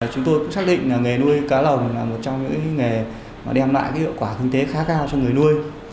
chúng tôi cũng xác định là nghề nuôi cá lồng là một trong những nghề mà đem lại hiệu quả kinh tế khá cao cho người nuôi